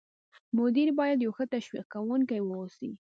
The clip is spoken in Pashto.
مدیر باید یو ښه تشویق کوونکی واوسي.